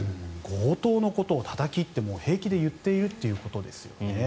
強盗のことをたたきって平気で言っているということですよね。